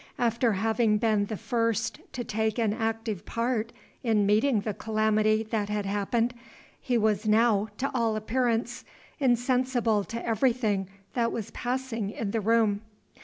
After having been the first to take an active part in meeting the calamity that had happened, he was now, to all appearance, insensible to everything that was passing in the room.